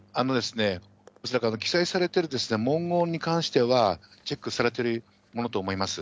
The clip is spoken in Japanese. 恐らく記載されてる文言に関しては、チェックされてるものと思います。